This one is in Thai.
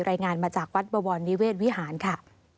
รายงานมาจากวัดบวรนิเวศวิหารค่ะ